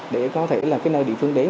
để có thể là nơi địa phương đến